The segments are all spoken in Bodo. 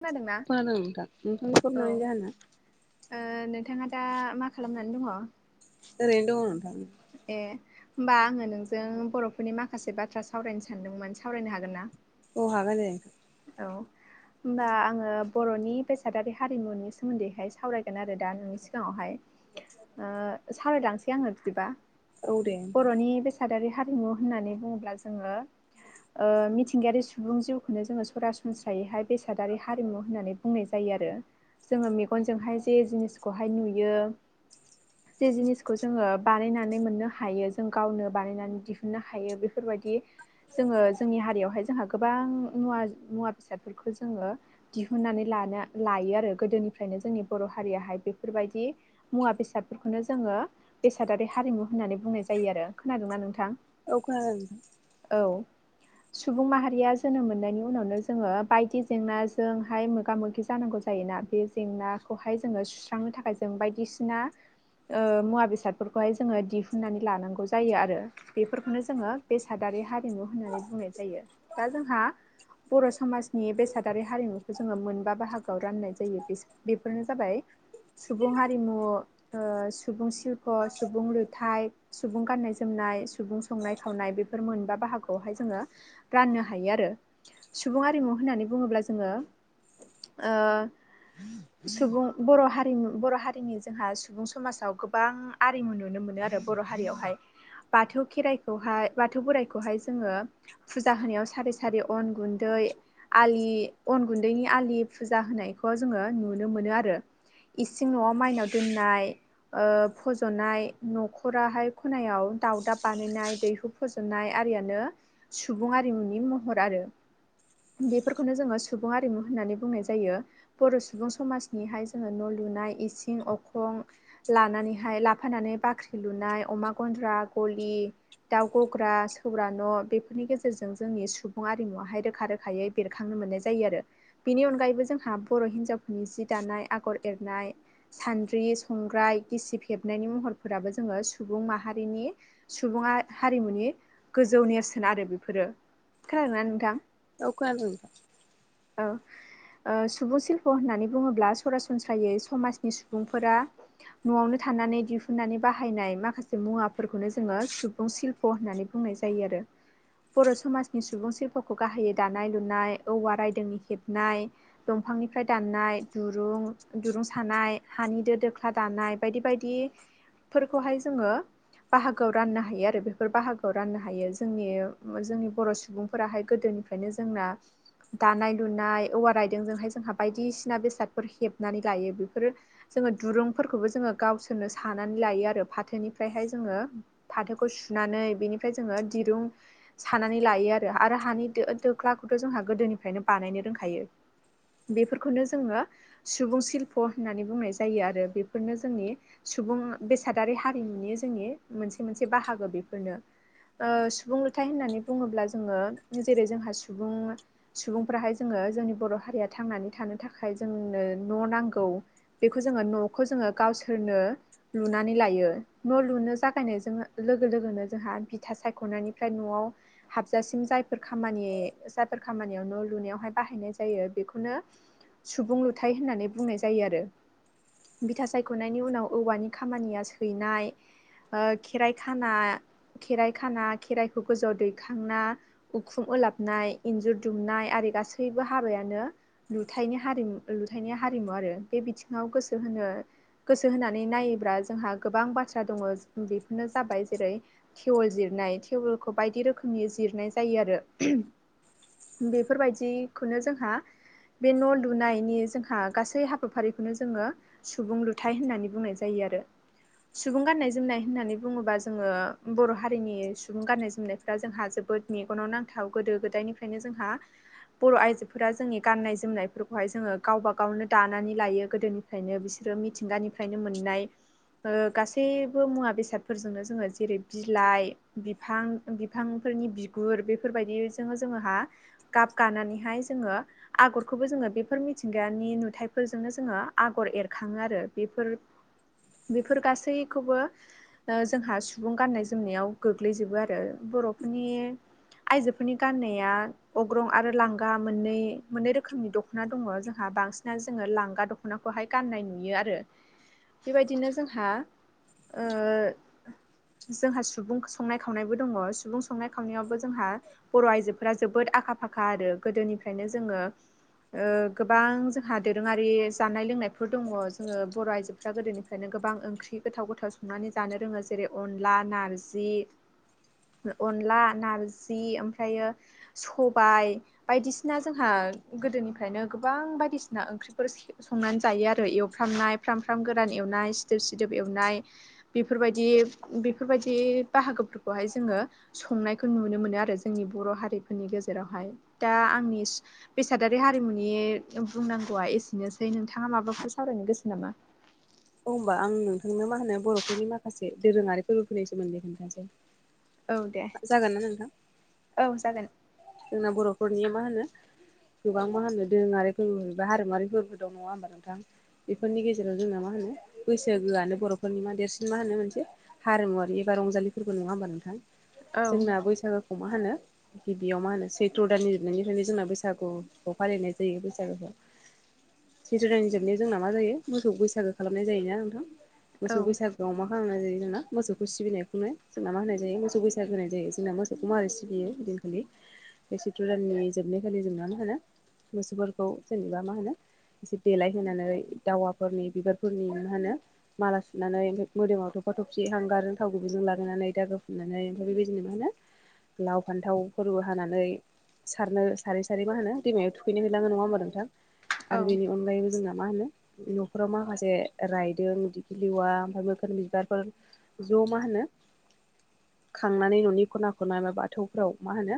खोनादोंना मामोन नोंथां नोंथांनि फन औ हरनायनि जाहोना? ओ नोंथाङा दा मा खालामनानै दङ? ओरैनोथ दङ नोंथां। ए होमबा आङो नोंजों बरफोरनि माखासे बाथ्रा सावरायनो सानदोंमोन सावरायनो हागों ना? अ हागोन दे। औ होमबा आङो बरनि बेसादारि हारिमुनि सोमोन्दैहाय सावरायगोन आरो दा नोंनि सिगाङावहाय। ओ-सावरायलांसै आङो औ दे नोंथां बरनि बेसादारि हा मु होननानै बुङोल्बा जोङो ओ-मिथिंगायारि सुबुं जिवखौनो जोङो। सरासनस्रायैहाय बेसादारि हारिमु होननानै बुंनाय जायो आरो जोङो मेगनजोंहाय जे जिनिस। खौहाय नुयो जे जिनिसखौ जोङो बानायनानै मोननो हायो जों गावनो बानायनानै दिहुनन्नो हायो बेफोरबाय। जोङो जोंनि हारियावहाय जोंहा गोबां मुवा। मुवा बेसादफोरखौ जोङो दिहुननानै लानो लायो आरो गोदोनिफ्रायनो जोंनि बर हारियाहाय। बेफोरबायदि मुवा बेसादफोरखौनो जोङो बेसादारि हारिमु होननानै बुंनाय जायो आरो खो खोनादोंना नोंथां। औ खोनादों। औ सुबुं माहारिया जोनोम मोननायनि। उनावनो जोङो बायदि जेंनाजोंहाय मोगा मोगि जानांगौ जायोना बे जेंनाखौहाय जोङो। सुस्रांनो थाखाय जों बायदिसिना। ओ मुवा बेसादफोरखौहाय जोङो दिहुननानै लानांगौ जायो आरो बेफोरखौनो जोङो बेसाद हारिमु होननानै बुंनाय जायो दा जोंहा। बर समाजनि बेसादारि हारिमुखौ जोङो मोनबा बाहागोआव राननाय जायो बेफोरनो जाबाय।। सुबुं हारिमु सुबुं ओ-सिल्प सुबुं लुथाइ सुबुं गाननाय जोम नाय सुबुं संनाय खावनाय बेफोर मोनबा बाहागोखौहाय जोङो राननो हायो आरो। सुबुं आरिमु होननानै बुङोब्ला जोङो ओ सुबुं बर हारिमु बरहारिनि जोंहा सुबुं समाजाव गोबां आरिमु नुनो। मोनो आरो बर हारियावहाय। बाथौ खेराइखौहाय बाथौ बोराइखौहाय जोङो फुजा होनायाव सारि सारि अन गुन्दै आलि अन गुन्दैनि आलि फुजा होनायखौ जोङो नुनो मोनो आरो। इसिं नआव माइनाव दोननाय ओ फजनाय नखराहाय खनायाव। दावउदाब बानायनाय दैहु फोजनाय आरियानो सुबुं आरिमुनि महर आरो। [inaudible] बेफोरखौनो जोङो सुबुं आरिमु होननानै बुंनाय जायो बर सुबुं समाजनिहाय जोङो न लुना नाय इसिं अखं लानानैहाय फानानै बाख्रि लुनाय अमा गन्द्रा गलि। दाउ गग्रा सौग्रा न बेफोरनि गेजेरजों जोंनि सुबुङा। हारिमुवाहाय रोखा रोखायै बेरखांनो मोननाय जायो आरो बेनि अनगायैबो जोंहा बर हिनजावफोरनि सि दानाय। आगर एरनाय सान्द्रि संग्राय गिसिब हेबनायनि महरफोराबो जोङो सुबुं मा हारिनि सुबुङा हारिमुनि गोजौ नेरसोन आरो बेफोरो खोनादोना नो। औ खोनादों। औ ओ सुबुं शिल्प होननानै बुङोब्ला सरासनस्रायै समाजनि सुबुंफोरा नआवनो था। थानानै दिहुननानै बाहायनाय माखासे मुवाफोरखौनो जोङो सुबुं सिल्प होननानै बुंनाय जायो आरो बर समाजनि सुबुं सिल्प खौ गाहायै दानाय लुनाय औवा रायदोंनि हेबनाय दंफांनिफ्राय दाननाय दुरुं। दिरुं सानाय हानि दो दोख्ला दानाय बायदि बायदि फोरखौहाय जोङो। बाहागोआव राननो हायो आरो बेफोर बाहागोआव राननो हायो जोंनि जोंनि बर सुबुंफोराहाय। गोदोनिफ्रायनो जोंना। दानाय लुनाय औवा रायदोंजोंहाय जोंहा बायदिसिना बेसादफोर हेबनानै लायो बेफोरो। जोङो दुरुंफोरखौबो जोङो गावसोरनो सानानै लायो आरो फाथोनिफ्रायहाय जोङो फाथोखौ सु नानै बेनिफ्राय जोङो दिरुं सानानै लायो आरो हानि दो दोख्लाखौथ जोंहा गोदोनिफ्रायनो बानायनो रोंखायो बेफोरखौनो जोङो सुबुं सिल्प होननानै बुंनाय जायो आरो बेफोरनो जोंनि सुबुं बेसादारि हारिमुनि जोंनि मोनसे मोनसे बाहागो बेफोरनो ओ सुबुं लुथाइ होननानै बुङोब्ला जोङो जेरै जोंहा सुबुं सुबुंफ्राहाय जोङो जोंनि बर हारिया थांनानै थानो थाखाय जोंनो न नांगौ बेखौ जोङो नखौ जोङो गावसोरनो लुनानै लायो न लुनो जागायनायजों लोगो लोगोनो जोंहा बिथा सायखनायनिफ्राय नआव हाबजासिम जाय फोराश खामानि जायफोर खामानियाव न लुनायावहाय बाहायनाय जायो बेखौनो सुबुं लुथाय होननानै बुंनाय जायो आरो बिथा सायखनायनि उनाव औवानि खामानिया सैनाय ओ खेराइ खाना खेराइ खाना खेराइखौ गोजौआव दैखांना उखुम ओलाबनाय इन्जुर दुमनाय आरि गासैबो हाबायानो लुथायनि हारिमु लुथाइनि हारिमु आरो बे बिथिङाव गोसो होनो गोसो होनानै नायोब्रा जोंहा गोबां बाथ्रा दङ बेफोरनो जाबाय जेरै थेवोल जिर नाय थेवोलखौ बायदि रोखोमनि जिरनाय जायो आरो बेफोरबायदिखौनो जोंहा बे न' लुनायनि जोंहा गासै हाबाफारिखौनो जोङो सुबुं लुथाय होननानै बुंनाय जायो आरो सुबुं गाननाय जोमनाय होननानै बुङोबा जोङो बर' हारिनि सुबुं गाननाय जोमनायफ्रा जोंहा जोबोद मेगनाव नांथाव गोदो गोदायनिफ्रायनो जोंहा बर' आइजोफोरा जोंनि गाननाय जोमनायफोरखौहाय जोङो ओ गावबा गावनो दानानै लायो गोदोनिफ्रायनो बिसोरो मिथिंगानिफ्रायनो मोननाय ओ गासैबो मुवा बेसादफोरजोंनो जोङो जेरै बिलाइ बिफां बिफांफोरनि बिग गुर बेफोरबायदि जोङो जोङोहा गाब गानानैहाय जोङो आगरखौबो जोङो बेफोर मि मिथिंगानि नुथायफोरजोंनो जोङो आगर एरखाङो आरो बेफोर बेफोर गासैखौबो ओ जोंहा सुबुं गान्नाय जोमनायाव गोग्लैजोबो आरो बर'फोरनि आइजोफोरनि गाननाया अग्रं आरो लांगा मोननै मोननै रोखोमनि दख'ना दङ जोंहा बांसिनानो जोङो लांगा दख'नाखौहाय गाननाय नुयो आरो बेबायदिनो जोंहा ओ जोंहा सुबुं संनाय खावनायबो दङ सुबुं संनाय खावनायावबो जोंहा बर' आइजोफोरा जोबोद आखा फाखा आरो गोदोनिफ्रायनो जोङो ओ गोबां जोंहा दोरोङारि जानाय लोंनायफोर दङ जोङो बर' आइजोफ्रा गोदोनिफ्रायनो गोबां ओंख्रि गोथाव गोथाव संनानै जानो रोङो जेरै अनला नारजि अनला नार जि ओमफ्रायो सबाय बायदिसिना जोंहा गोदोनिफ्रायनो गोबां बायदिसिना ओंख्रिफोर संनानै जायो आरो एवफ्रामनाय फ्राम सफ्राम गोरान एवनाय सिदोब सिदोब एवनाय बेफोरबायदि बेफोरबायदि बाहागोफोर खौहाय जोङो संनायखौ नुनो मोनो आरो जोंनि बर' हारिफोरनि गेजेरावहाय दा आंनि बेसादारि हारिमुनि बुंनांगौवा एसेनोसै नोंथाङा माबाफोर सावरायनो गोसो नामा? औ होमबा आं नोंथांनो मा होनो बर'फोरनि माखासे दोरोङारि फोरबो फैनि सोमोन्दै खोन्थासै [inaudible] जागोनना नोंथां औ जागोन जोंना बर'फोरनिया मा होनो गोबां मा होनो दोरोङारि फोरबोबा हारिमुवारि फोरबो दं नङा होमबा नोंथां बेफोरनिजेराव जोंना मा होनो होनो बैसागोआनो बर'फोरनि मा देरसिन मा होनो मोनसे हारिमुवरारि एबा रंजालिबो नङा होमबा नोंथां औ जोंना बैसागु खौ मा होनो गिबियाव मा होनो सैथ्र' दाननि जोबनायनिफ्रायनो जोंना बैसागुखौ फालिनाय जायो बैसागुखौ [inaudible] सैथ्र दानि जोबनायाव जोंना मा जायो मोसौ बैसागो खालामनाय जायोना नोंथां औ मोसौ बैसागोआव मा खालामनाय जायो जोंना मोसौखौ सिबिनायखौनो जोंना मा होनाय जायो मोसौ। [unintelligible] बैसागु होनाय जायो जोंना मोसौखौ माबोरै सिलियो बिदिनखालि बे सैत्र दाननि जोबनायखालि जोंना मा होनो मोसौफोरखौ जेनेबा मा होनो एसे देलायहोनानै दावाफोरनि बिबारफोरनि मा होनो माला सुनानै मोदोमावथ'। थफसि हांगारजों थाव गुबैजों लागायनानै दागो फुननानै ओमफ्राय बेबायदिनो मा होनो लाव फान्थावफोरबो हानानै सारनो सारै सारै मा होनो दैमायाव थुखैनो हैलाङो नङा होमबा नोंथां आरो बेनि औ अनगायैबो जोंना मा होनो न'खराव माखासे रायदों डिगि लेवा मोखोना बिबारफोर द' मा होनो [inaudible] खांनानै न'नि खना खना [unintelligible] बाथौफ्राव मा होनो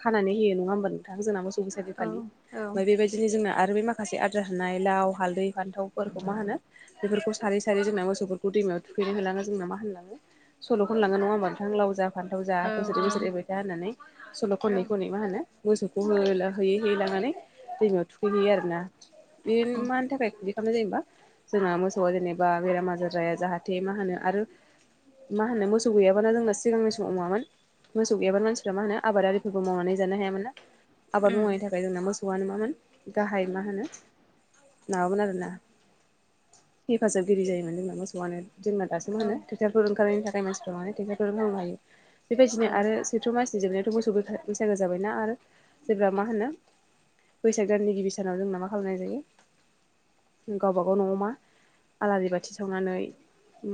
खानानै होयो नङा होमबा नोंथां जोंना [unintelligible] बैसागु खालि ओमफाय औ बेबायदिनो जोंना आरो आरो बे माखासे आद्रा थानाय लाव हालदै फान्थावफोरखौ मा होनो बेफोरखौ सारै सारै जोंना मोसौफोरखौ दै थुखैनो होलाङो जोंना मा होनलाङो सल'खनलाङो नङा होमबा। थां लाव जा फानथाव जा बोसोरै औ बोसोरै एरबाय था होननानै सल' खनै औ खनै मा होनो मोसौखौ हो होयै होयै लांनानै दैमायाव थुखैहैयो आरोना बे उम मानि थाखाय [unintelligible] जोंहा मोसौआ जेनेबा बेराम आजार जाया जाहाथे मा होनो आरो मा होनो मोसौ गैयाबानो जोंना सिगांनि समाव मामोन मोसौ गैयाबानो मानसिफोरा मा होनो आबादारिफोरखौ मावनानै जानो हायामोन ना। आबाद मावनायनि थाखाय जोंना मो सौआनो मामोन गाहाय मा होनो माबामोन आरोना। हेफाजाबगिरि जायोमोन जोंना मोसौआानो जोंना दासो मा औ होनो ट्रेक्टरफोर ओंखारनायनि थाखाय मानसि [unintelligible] [unintelligible] बेबायदिनो औ आरो सैथ्र मास जोबनायावाथ' मोसौ बैसागो जाबायना आरो जेब्ला मा होनो बैसाग दाननि गिबि सानाव जोंना मा खालामनाय जायो गावबा गाव न'आव मा आलारि बाथि सावनानै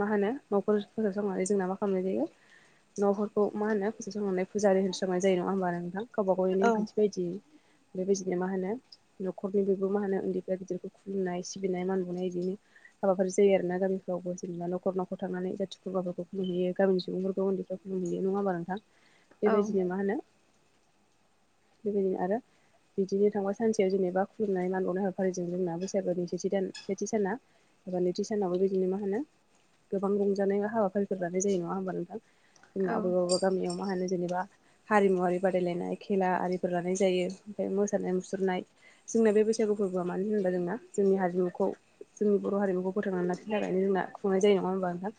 मा होनो न'खर फोसाव सावनानै जोंना मा खालामनाय जायो न'फोरखौ मा होनो फुजा सांनानै फुजा होनस्रांनाय जायो नङा होमबा नोंथां। गावबा गावनि औ नेमखान्थि बायदि बेबायदिनो मा होनो न'खरनि बिखौ मा होनो उन्दैफ्रा गिदिरखौ खुलुमनाय सिबिनाय मान बाउनाय बिदिनो हाबाफारि जायो आरो ना गामिफ्रावबो जेनेबा नखर न'खर थांनानै जाथि खुरमाफोरखौ खुुलुमहैयो गामिनि सुबुंफोर खौ उन्दैफ्रा खुलुमहैयो नङा होमबा नोंथां औ बेबायदिनो मा होनो [inaudible] बिबायदिनो आरो बिदिनो थांबा सानसेयाव जेनेबा खुलुमनाय मानबाउनाय हाबाफारिजों जोंना बैसागोनि सेथि दान सेथि साना एबा नैथि सानावबो बिदिनो मा होनो गोबां रंजानाय हाबाफारि फोर लानाय जायो नङा होमबा नोंथां जोंना औ अबेबा अबेबा गामियाव मा होनो जेनेबा हारिमुवारि बादायलायनाय खेला आरिफोर लानाय जायो ओमफाय मोसानाय मुसुरनाय जोंना बे बैसागु फोरबोआ मानो होनबा जोंना जोंनि हारिमुखौ जोंनि बर' हारिमुखौ फोथांनानै लाखिनो थाखायनो जोंना खुंनाय जायो नङा होमबा नोंथां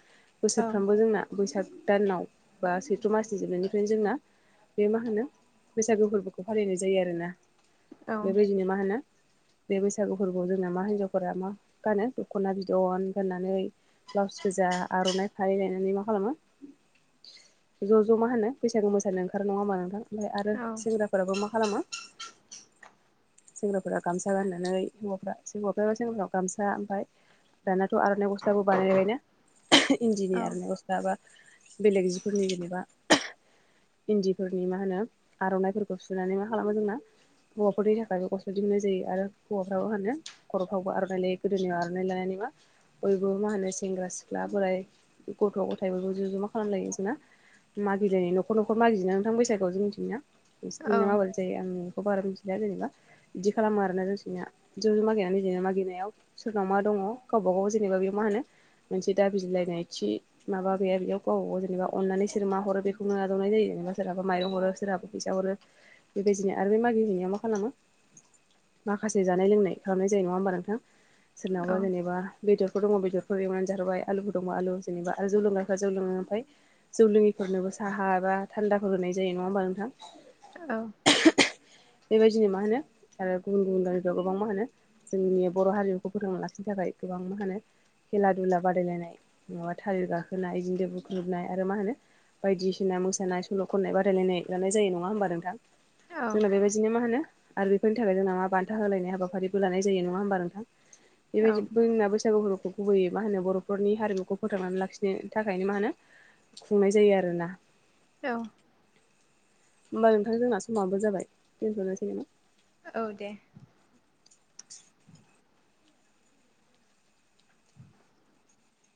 औ बोसोरफ्रामबो जोंना बैसाग दानाव बा सैथ्र' मासनि जोबनायनिफ्रायनो जोंना बे मा होनो बैसागु फोरबोखौ फालिनाय जायो आरोना औ बेबायदिनो मा होनो बे बैसागु फोरबोआव जोंना मा हिनजावफोरा मा गानो दख'ना बिदन गाननानै। ब्लाउस गोजा, आर'नाइ फालि लायनानै मा खालामो ज' ज' मा होनो बैसागो मोसानो ओंखार नङा होमबा नोंथां। ओमफाय आरो सेंग्राफोराबो मा खालामो [inaudible] सेंग्राफोरा गामसा गाननानै हौवाफ्रा [unintelligible] गामसा ओमफाय दाना थ' आर'नाइ गस्लाबो बानायबायना इन्दिनि आर'नाइ गस्ला बा बेलेग जिफोरनि जेनेबा इन्दिफोरनि मा होनो आर'नाइफोरखौ सुनानै मा खालामो जोंना हौवाफोरनि थाखायबो गस' दि मोननाय जायो। आरो हौवाफ्राबो मा होनानो खर'फ्रावबो आर'नाइ लायो गोदोनि आर'नाइ लानानै बयबो मा होनो सेंग्रा सिख्ला बोराय गथ' गथ फोरखौ ज' ज' मा खालामलायोना मागिलायनाय नखर नखर मागिना नोंथां बैसागआव जों मिथिदों ना? बि औ नामाबो जायो आ खौ बारा मिथिलिया जेनेबा बिदि खालामो आरोना जोंसिनिया ज' ज' मागिनानै मागिनायाव सोरनाव मा दं दङ गावबा गाव जेनेबा बे मा होनो मोनसे दाबिलायनाय थि माबा गैया बेयाव गावब गाव जेनेबा अननानै सोर मा हरो बेखौनो आदावनाय जायोेनेबा सोरहाबा माइं हरो सोरहाबा फैसा हरो बेबायदिनो आरो बे मागि हैनाया मा खालामो? माखासे जानाय लोंनाय खालामनाय जायो नङा होमबा नोंथां। सोरनावबा जेनेबा बेदरफोर दङ बेदरफोर एवनानै जाहारोबबाय आलुबो दङ आलु जेनेबा आरो जौ लोंग्राफ्रा जौ लोङो ओमफ्राय जौ लोङिफोरनोबो साहा एबा थान्दाफोर होनाय जायो नङा होमबा नोंथां। औ। बेबायदिनो मा होनो आरो गुबुन गुबुन गामिफ्राव गोबां मा होनो जोंनि बर' हारिमुखौ फोरोथोंनालासिनो था खाय गोबां मा होनो खेला दुला बादायलायनाय थालिर गाखोनाय बिदिनो बुख्रुबनाय आरो मा होनो बायदिसिना मोसानाय सल' खननाय बादायलायनाय लानाय जायो नङा होनोमबा नोंथां। जोंना बेबायदिनो मा होनो आरो बेफोरनि थाखाय जोंना मा बान्था होलायनाय हाबाफारिबो लानाय जायो नङा होमबा नोंथां। बेबायदि जोंना बैसागु फोरखौ गुबैयै मा होनो बर'फोरनि हारिमुखौ फोथांनानै लाखिनो थाखायनो मा होनो खुंनाय जायो आरोना। औ। होमबा नोंथां जोंना समाबो जाबाय दोनथनोसै नामा? औ दे।